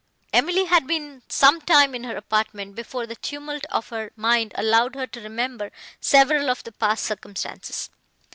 Emily had been some time in her apartment, before the tumult of her mind allowed her to remember several of the past circumstances.